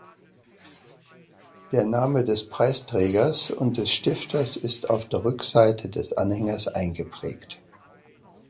Der Name des Preisträgers und des Stifters ist auf der Rückseite des Anhängers eingeprägt.